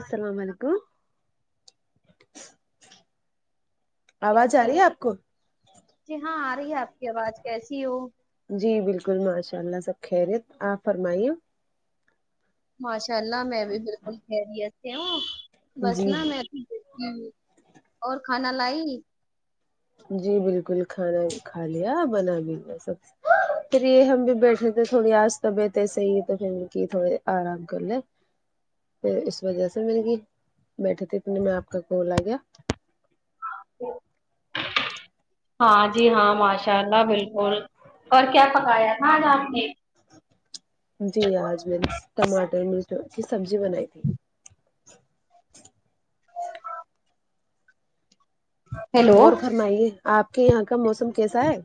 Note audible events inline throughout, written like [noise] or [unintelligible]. السلام علیکم آواز آ کیسی رہی ہو ہے آپ کو جی ہاں آ رہی ہے آپ کی آواز کیسی ہو جی بلکل ماشاء اللہ سب خیریت آپ فرمائیے ماشاء اللہ میں بھی بلکل خریت سے ہوں بس جی نا جی میں جی اور کھانا لائی جی بلکل کھانا کھا لیا بنا بھی لیا سب پھر یہ ہم بھی بیٹھے تھے تھوڑی آج طبیعت ہے صحی تو پھر کی تھوڑے آرام کر لے اس وجہ سے دیکھئے بیٹھے تھے کہ اتنے میں آپ کا کول آ گیا ج [unintelligible] ہاں جی ہاں ماشاء اللہ بالکل اور کیا پکایا تھا آج اپ نے جی آج میں نے ٹماٹر مرچ کی سبجی بنایی تھی ہیلو اور فرمائیے آپ کے یہاں کا موسم کیسا ہے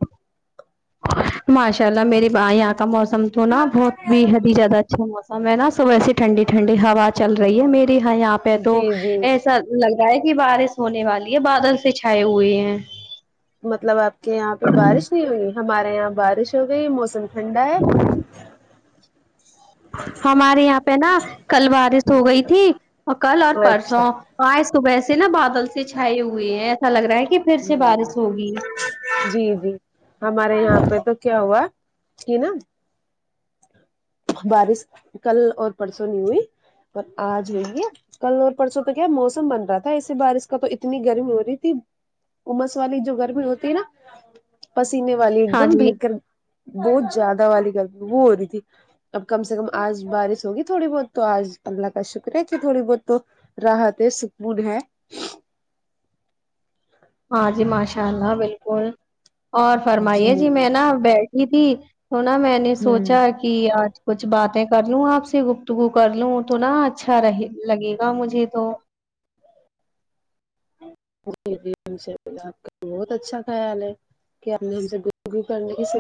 ماشاء اللہ میرے بھائی یہا کا موسم تو نہ بھوت بیحد ھی زیادہ اچھا موسم ہے نہ صبح سے ٹھنڈی ٹھنڈی ہوا چل رہی ہے میرے ہیا پے تو جی جی ایسا لگ رہا ہے کہ بارش ہونے والی ہے بادل سے چھائے ہوئے ہیں مطلب آپ کے یہاں پہ بارش نہیں ہوئی ہمارے یہاں بارش ہو گئی موسم ٹھنڈا ہے ہمارے یہاں پہ نا کل بارش ہو گئی تھی کل اور اچھا پرسوں آج صبح سے نا بادل سے چھائے ہوئے ہیں ایسا لگ رہا ہے کہ پھر سے بارش ہوگی جی جی ہمارے یہاں پہ تو کیا ہوا ہی نا بارش کل اور پرسوں نہیں ہوئی پر آج ہوی ہے کل اور پرسوں تو کیا موسم بن رہا تھا ایسے بارش کا تو اتنی گرمی ہو رہی تھی امس والی جو گرمی ہوتی ہے نا پسینے والی ایک ہاں دم جی بھیگ کر بوھت زیادہ والی گرمی وہ ہورہی تھی اب کم سے کم آج بارش ہوگی تھوڑی بہت تو آج اللہ کا شکر ہے کہ تھوڑی بہت تو راحت ہے سکون ہے ہاں جی ماشاء اللہ بالکل اور فرمائیے جی میں نا بیھ تی تونا میں نے سوچا کہ آج کچھ باتیں کر لوں آپ سے گفتگو کر لوں تو نہا اچھا رہے لگے گا مجھے تو [unintelligible] بوہت اچھا خیال ہے کی اپنے مجھسے گفتگو کرنے سے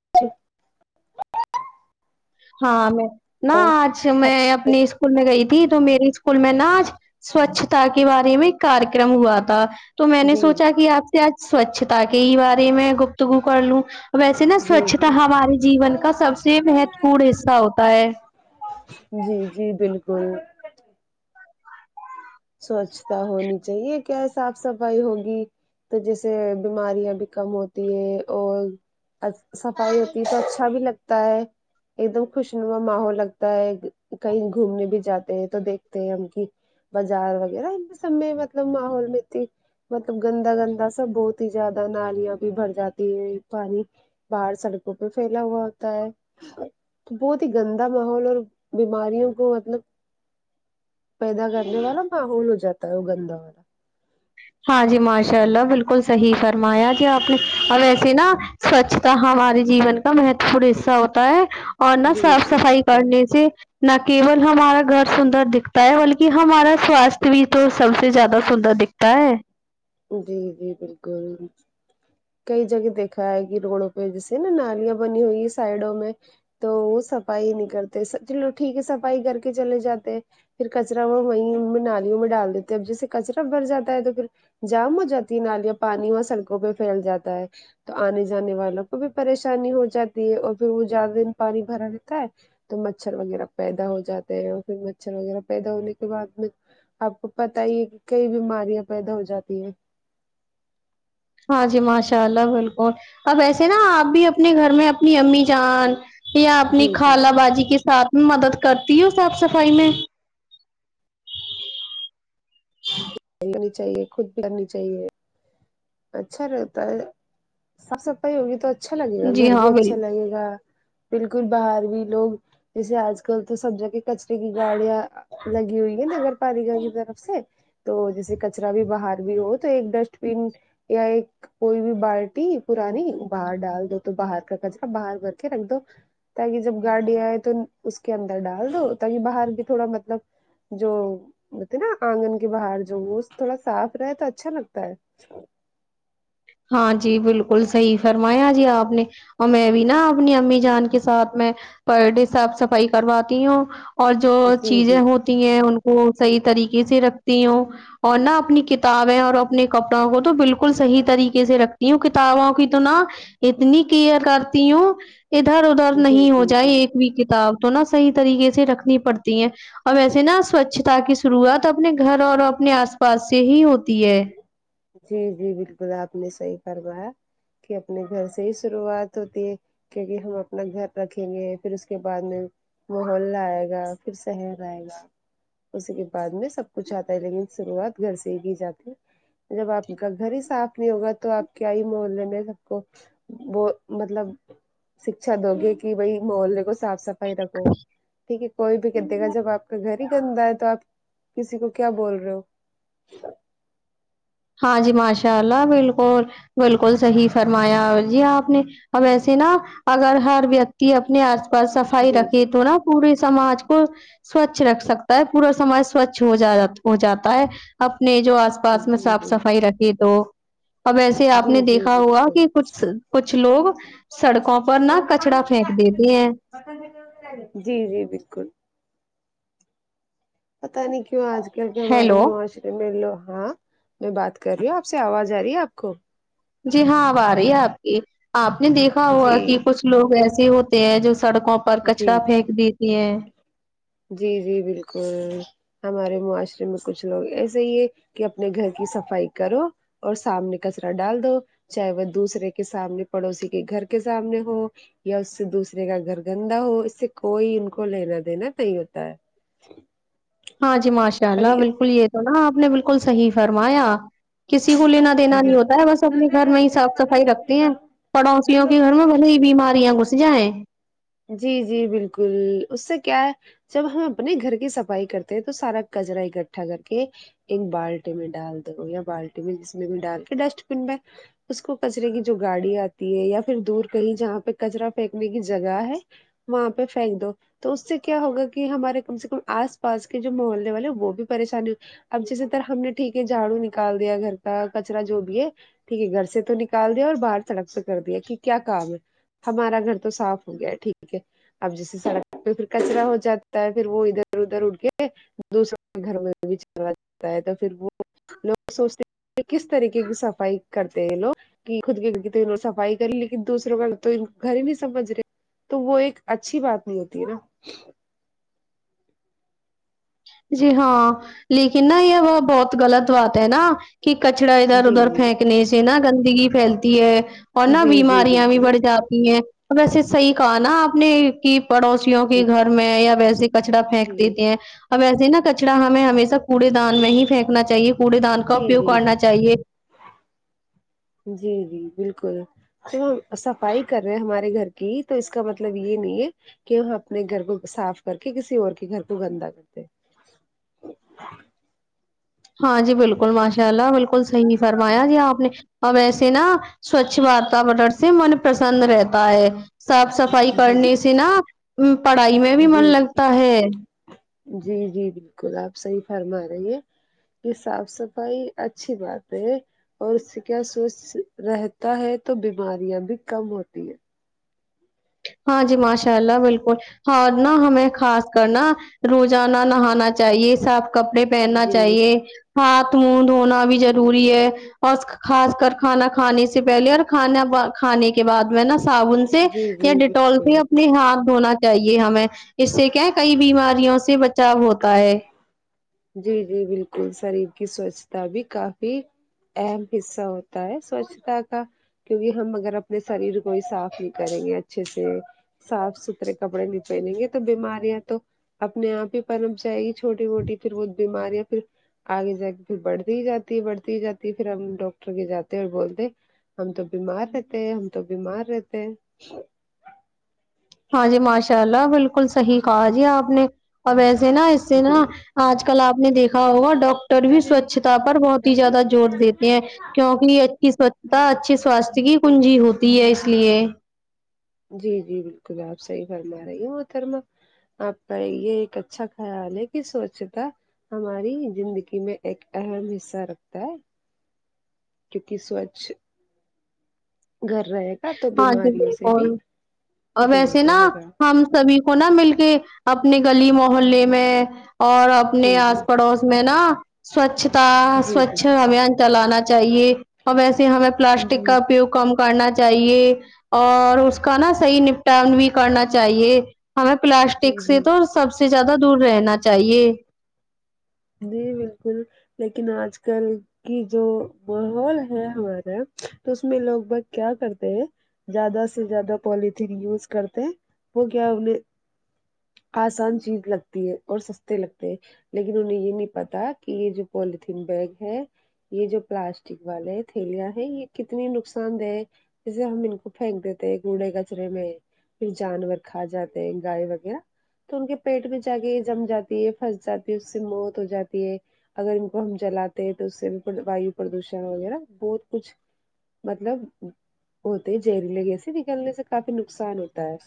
ہاں میں نہ اور آج میں اپنی اسکول میں گئی تھی تو میرے اسکول میں نا آج سواچتا کے بارے میں کریکرم ہوا تھا تو میں نے جی سوچا کہ آپ سے آج سوچھتا کے ہی بارے میں گپتگو کر لوں ویسے نا جی جی سوچھتا جی ہمارے جیون کا سب سے مہتوپورن حصہ ہوتا ہے جی جی بالکل سوچھتا ہونی چاہیے کیا صاف صفائی ہوگی تو جسے بیماریا بھی کم ہوتی ہے اور از صفایی ہوتی تو اچھا بھی لگتا ہے ایک دم خوشنما ماحول لگتا ہے کہیں گھومنے بھی جاتے ہیں تو دیکھتے ہیں ہم کی بازار وغیرہ ان سب میں مطلب ماحول می ںتھی مطلب گندا گندا سب بہت ہی زیادہ نالیاں بھی بھر جاتی ہے پانی باہر سڑکوں پہ پھیلا ہوا ہوتا ہے بہت ہی گندا ماحول اور بیماریوں کو مطلب پیدا کرنے والا ماحول ہو جاتا ہے وہ گندا ںاں جی ماشاللہ بلکل ساہی فرمایا جی اپ نے ویسے سے نا سوچھتا ہمارے جیون کا مہتو پورن حصہ ہوتا ہے اور نہ جی صاف جی صفائی بالکل کرنے سے نہ کیول ہمارا گھر سندر دکھتا ہے بلکہ ہمارا سواستھ بھی تو سب سے زیادہ سندر دکھتا تا ہی جی جی بالکل کئی جگہ دیکھا ہے کہ روڈوں پہ جیسے نا نالیاں بنی ہوئی ہے سائڈوں میں تو وہ صفائی نہیں کرتے چلو ٹھیک ہے صفائی کر کے چلے جاتے پھر کچرا وہ وہیں نالیوں میں ڈال دیتے ہیں اب جیسے کچرا بھر جاتا ہے تو پھر جام ہو جاتی ہے نالیاں پانی وہ سڑکوں پہ پھیل جاتا ہے تو آنے جانے والوں کو بھی پریشانی ہو جاتی ہے اور پھر وہ زیادہ دن پانی بھرا رہتا ہے تو مچھر وغیرہ پیدا ہو جاتے ہیں اور پھر مچھر وغیرہ پیدا ہونے کے بعد میں آپ کو پتا ہی ہے کہ کئی بیماریاں پیدا ہو جاتی ہیں ہاں جی ماشاء اللہ بالکل اب ایسے نا آپ بھی اپنے گھر میں اپنی امی جان یا اپنی جی جی خالہ باجی کے ساتھ مدد کرتی ہو صاف صفایی میں ہونی چاہیےخود کرنی چاہیے اچھا رہتا ہے صاف صفائی ہوگی تو اچھا لگے گا جی گھر ہاں بھی اچھا بالکل لگے گا بالکل باہر بھی لوگ جیسے اج کل تو سب جاگے کچرے کی گاڑیاں لگی ہوئی ہے نگر پاری گل کی طرف سے تو جیسے کچرا بھی باہر بھی ہو تو ایک ڈسٹ بن یا ایک کوئی بھی بالٹی پرانی باہر ڈال دو تو باہر کا کچرا باہر کر کے رکھ دو تاکہ جب گاڑی ائے تو اس کے اندر ڈال دو تاکہ باہر بھی تھوڑا مطلب جو بولتے نا انگن کے باہر جو وہ تھوڑا صاف رہے تو اچھا لگتا ہے ہاں جی بالکل صحی فرمایا جی اپ نے اور میں بھی نا اپنی امی جان کے ساتھ میں پر ڈے صاف صفائی کرواتی ہوں اور جو جی جی چیزیں ہوتی ہیں ان کو ساہی طریقے سے رکھتی ہوں اور نہ اپنی کتابیں اور اپنے کپڑوں کو تو بالکل صحیح طریقے سے رکھتی ہوں کتابوں کی تو نا اتنی کلیر کرتی ہوں ادھر اودھر جی نہیں ہو جی جائے جی ایک بھی کتاب تو نا صحیح طریقے سے رکھنی پڑتی ہے اور ویسے نا سوچھتا کی شروعات اپنے گھر اور اپنے اس پاس سے ہی ہوتی ہے جی جی بالکل اپ نے ساہی فرمایا کہ اپنے گھر سے ہی شروعات ہوتی ہے کیو کہ ہم اپنا گھر رکھیں گے پھر اس کے بعد میں محلہ ائے گا پھر سحر ائے گا اسی کے بعد میں سب کچھ اتا ہے لیکن شروعات گھر سے ہی کی جاتی جب اپ کا گھر ہی صاف نہیں ہوگا تو اپ کیا ہی محلہ میں سب کو وہ مطلب شکشاہ دو گے کہ بائی محلے کو صاف صفائی رکھو ٹھیک ہے کوئی بھی دےگھےگا جب اپ کا گھر ہی گندا ہے تو اپ کسی کو کیا بول رہے ہول رہے ا چھا ہاں جی ماشاء اللہ بالکل بالکل صحیح فرمایا جی اپ نے اب ایسے نا اگر ہر ویکتی اپنے اس پاس صفائی جی جی رکھے تو نا پورے سماج کو سوچھ رکھ سکتا ہے پورا سماج سماجھ سوچھ ہو جاتا ہے اپنے جو اس جی پاس میں جی ابھی تو اب ایسے اپ جی نے جی دیکھا ہوا بالکل کہ کچھ کچھ لوگ سڑکوں پر نہ کچڑا پھینک دیتے ہیں جی جی بالکل پتہ نہیں کیوں اج کل کے ہمارے ہیلو معاشرے مل لو ہاں میں بات کر رہی ہوں آپ سے اواز آرہی ہے اپ کو جی ہاں اب ا رہی ہے اپ کی اپ نے دیکھا ہوگا جی کہ کچھ لوگ ایسے ہوتے ہیں جو سڑکوں پر کچرا جی پھینک دیتی ہے جی جی بالکل ہمارے معاشرے میں کچھ لوگ ایسا ہی ہے کہ اپنے گھر کی صفائی کرو اور سامنے کچرا ڈال دو چاہے وہ دوسرے کے سامنے پڑوسی کے گھر کے سامنے ہو یا اس سے دوسرے کا گھر گندا ہو اس سے کوئی ان کو لینا دینا نہیں ہوتا ہے ہاں جی ماشاء پر اللہ بالکل یہ تو نا اپ نے بالکل صحیح فرمایا کسی کو لینا دینا نہیں یہ ہوتا ہے بس اپنے گھر میں ہی صاف صفائی رکھتے ہیں پڑوسیوں کے گھر میں بھلے ہی بیماریاں گھس جائے جی جی بالکل اس سے کیا ہے جب ہم اپنے گھر کی صفائی کرتے ہیں تو سارا کچرا اکٹھا کر کے ایک بالٹی میں ڈال دو یا بالٹی میں جس میں بھی ڈال کے ڈسٹ بن میں اس کو کچرے کی جو گاڑی اتی ہے یا پھر دور کہیں جہاں پہ کچرا پھنیکنے کی جگہ گا ہے وہاں پہ پھینک دو تو اس سے کیا ہوگا کہ ہمارے کم سے کم اس پاس کے جو محلے والے وہ بھی پریشانی اب جیسے طرح ہم نے ٹھیک ہے جھاڑو نکال دیا گھر کا کچرا جو بھی ہے ٹھیک ہے گھر سے تو نکال دیا اور باہر سڑک سے کر دیا کہ کیا کام ہے ہمارا گھر تو صاف ہو گیا ٹھیک ہے اب جیسے سڑک پہ پھر کچرا ہو جاتا ہے پھر وہ ادھر ادھر اٹ کے دوسروں کے گھر میں بھی چلا جاتا ہے تو پھر وہ لوگ سوچتے ہیں کہ کس طریقے کی صفائی کرتے ہیں لوگ کہ خود کے تووں صفائی کر لیکن دوسروں کا تو گھر ہی نہیں سمجھ رہے تو وہ ایک اچھی بات نہیں ہوتی ہے نا جی ہاں لیکن نا یہ وہ بہت غلط بات ہے نا کہ کچڑا ادھر جی ادھر جی پھینکنے سے نہا گندگی پھیلتی ہے اور نہ جی جی بیماریاں بھی بالکل بڑھ جاتی ہیں ایسے صحیح کہا نا آپ نے کہ پڑوسیوں کے جی گھر میں یا ویسے کچرا پھینک جی دیتی ہیں اب ویسے نا کچڑا ہمیں ہمیشہ کوڑے دان میں ہی پھینکنا چاہیے کوڑے دان کا جی اپیوگ جی کرنا جی چاہیے جی جی بالکل جب ہم صفائی کر رہے ہیں ہمارے گھر کی ہی تو اس کا مطلب یہ نہیں ہے کہ وہ اپنے گھر کو صاف کر کے کسی اور کے گھر کو گندا کرتے ہاں جی بالکل ماشاء اللہ بالکل صحیح نہیں فرمایا جی آپ نے اب ایسے نا سوچھ واتاوارن سے من پرسن رہتا ہے صاف صفائی ہیں۔ جی کرنے سے نا پڑھائی میں بھی جی من لگتا ہے جی جی بالکل آپ صحیح فرما رہی ہے کہ صاف صفائی اچھی بات ہے اور اس سے کیا سوچھ رہتا ہے تو بیماریاں بھی کم ہوتی ہیں ہاں جی ماشاء اللہ بالکل ہار نہ ہمیں خاص کرنا روزانہ نہانا چاہیے صاف کپڑے پہننا جی چاہیے بالکل ہاتھ منہ دھونا بھی ضروری ہے اور خاص کر کھانا کھانے سے پہلے اور کھانا کھانے کے بعد میں نا تھا ان سے جی یا جی ڈیٹول بالکل سے اپنے ہاتھ دھونا چاہیے ہمیں اس سے کیا کئی بیماریوں سے بچاؤ ہوتا ہے جی جی بالکل شریر کی سوچھتا بھی کافی اہم حصہ ہوتا ہے سوچھتا کا کیونکہ ہم اگر اپنے شریر کو ہی صاف نہیں کریں گے اچھے سے صاف ستھرے کپڑے نہیں پہنیں گے تو بیماریاں تو اپنے آپ ہی پرپ جائے گی چھوٹی موٹی پھر وہ بیماریاں پھر آگے جا کے پھر بڑھتی ہی جاتی ہے بڑھتی ہی جاتی ہے پھر ہم ڈاکٹر کے جاتے اور بولتے ہم تو بیمار رہتے ہے ہم تو بیمار رہتے ہیں ہاں جی ماشاء اللہ بالکل صحیح کہا جی آپ نے اب ویسے نا اس سے نا جی آج کل آپ نے دیکھا ہوگا ڈاکٹر بھی سوچھتا پر بہت ہی زیادہ زور دیتے ہیں کیوں کہ اچھی سوچھتا اچھی سواستھ کی کنجی ہوتی ہے اس لیے جی جی بالکل آپ صحیح فرما رہی ہو محترمہ آپ کا یہ ایک اچھا خیال ہے کہ سوچتا ہماری زندگی میں ایک اہم حصہ رکھتا ہے کیونکہ سوچھ گھر رہا ہاں جی بالکل اور دور ویسے نا رہے گا ہم سب ہی کو نا مل کے اپنے گلی محلے میں اور اپنے جی جی آس پڑوس میں نا سوچھتا جی جی سوچھ ابھیان چلانا چاہیے اور ویسے ہمیں پلاسٹک جی کا اپیوگ کم کرنا چاہیے اور اس کا نا صحیح نپٹان بھی کرنا چاہیے ہمیں جی پلاسٹک سے جی تو سب سے زیادہ دور رہنا چاہیے جی بالکل لیکن آج کل کہ جو ماحول ہے ہمارا تو اس میں لوگ بگ کیا کرتے ہیں زیادہ سے زیادہ پوالتھین یوز کرتے وہ کیا آسان چیز لگتی ہے اور سستے لگتے ہیں لیکن انہوں نے یہ نہیں پتا کہ یہ جو پولیتھیین بیگ ہے یہ جو پلاسٹک والے تھیلیاں ہیں یہ کتنی نقصاندہ جیسے ہم ان کو پھینک دیتے کوڑے کچرے میں پھر جانور کھا جاتے ہیں گائے وغیرہ تو ان کے پیٹ میں جا کے جم جاتی ہے پھنس جاتی ہے اس سے موت ہو جاتی ہے اگر ان کو ہم جلاتے ہیں تو اس سے بھی وایو پردوشن وغیرہ بہت کچھ مطلب ہوتے زہریلے جیسے نکلنے سے کافی نقصان ہوتا ہے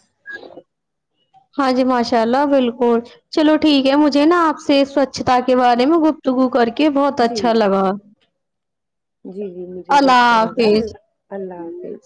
ہاں جی ماشاء اللہ بالکل چلو ٹھیک ہے مجھے نا آپ سے سوچھتا کے بارے میں گفتگو کر کے بہت جی اچھا لگا جی جی مجھے بھی اللہ اچھا لگا حافظ ال اللہ حافظ